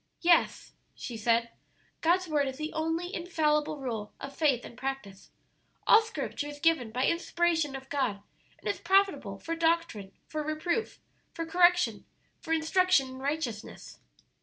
"Yes," she said, "God's Word is the only infallible rule of faith and practice. All scripture is given by inspiration of God, and is profitable for doctrine, for reproof, for correction, for instruction in righteousness!"